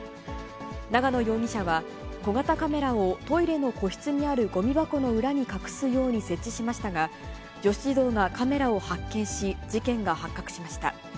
永野容疑者は、小型カメラをトイレの個室にあるごみ箱の裏に隠すように設置しましたが、女子児童がカメラを発見し、事件が発覚しました。